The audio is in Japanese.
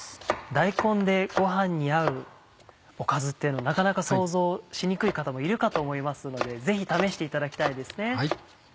大根でご飯に合うおかずっていうのもなかなか想像しにくい方もいるかと思いますのでぜひ試していただきたいですね。